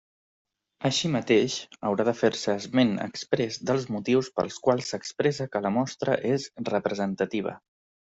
Així mateix, haurà de fer-se esment exprés dels motius pels quals s'expressa que la mostra és representativa.